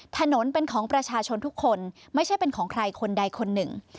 ถนนเป็นของประชาชนทุกคนไม่ใช่เป็นของใครคนใดคนหนึ่ง